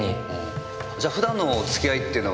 じゃ普段のお付き合いっていうのは？